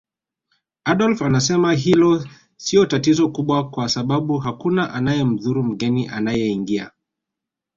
Adolf anasema hilo siyo tatizo kubwa kwa sababu hakuna anayemdhuru mgeni anayeingia